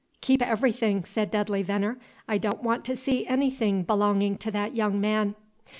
"Keep everything," said Dudley Veneer. "I don't want to see anything belonging to that young man."